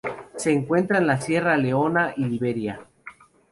Se encuentra en Sierra Leona y Liberia.